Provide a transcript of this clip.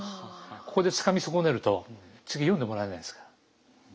ここでつかみ損ねると次読んでもらえないですから。